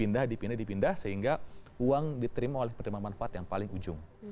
pindah dipindah dipindah sehingga uang diterima oleh penerima manfaat yang paling ujung